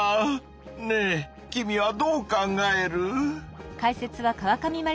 ねえ君はどう考える？